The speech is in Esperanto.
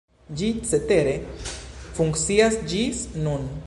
Ĝi cetere funkcias ĝis nun.